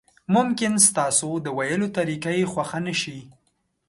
ممکن ستاسو د ویلو طریقه یې خوښه نشي.